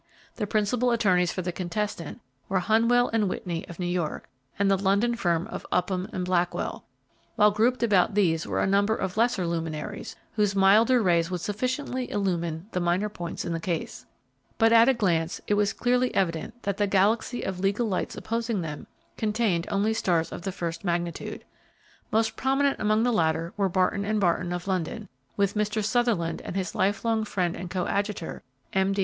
The principal attorneys for the contestant were Hunnewell & Whitney of New York, and the London firm of Upham & Blackwell, while grouped about these were a number of lesser luminaries, whose milder rays would sufficiently illumine the minor points in the case. But at a glance it was clearly evident that the galaxy of legal lights opposing them contained only stars of the first magnitude. Most prominent among the latter were Barton & Barton, of London, with Mr. Sutherland and his life long friend and coadjutor, M. D.